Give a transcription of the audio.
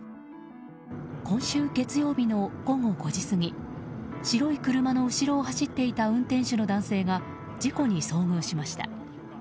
今週月曜日の午後５時過ぎ白い車の後ろを走っていた運転手の男性が事故に遭遇しました。